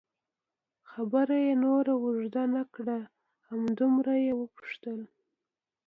خبره یې نوره اوږده نه کړه، همدومره یې وپوښتل.